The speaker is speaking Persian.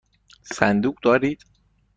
صندوق دارید؟